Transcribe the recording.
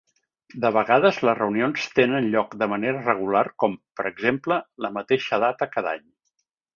De vegades les reunions tenen lloc de manera regular com, per exemple, la mateixa data cada any.